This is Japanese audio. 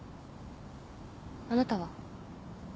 あなたは？